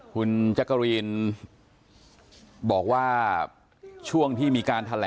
ลองฟังเสียงช่วงนี้ดูค่ะ